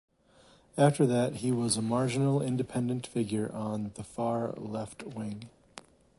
After that he was a marginal independent figure on the far left-wing.